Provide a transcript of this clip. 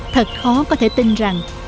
thật khó có thể tin rằng